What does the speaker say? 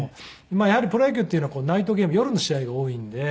やはりプロ野球っていうのはナイトゲーム夜の試合が多いんで。